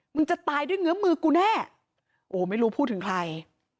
จะตายด้วยเงื้อมือกูแน่โอ้ไม่รู้พูดถึงใคร